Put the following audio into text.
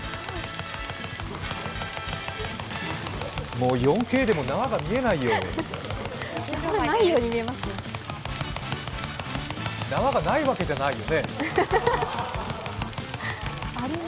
もう４Ｋでも縄が見えないよ。